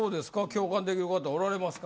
共感できる方おられますか？